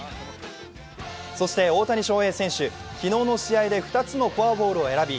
そして大谷翔平選手、昨日の試合で２つのフォアボールを選び